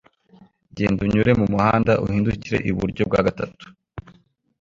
genda unyure mumuhanda uhindukire iburyo bwa gatatu